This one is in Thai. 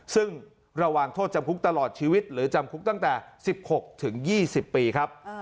ซึ่งระหว่างโทษจำคุกตลอดชีวิตหรือจำคุกตั้งแต่๑๖๒๐ปีครับ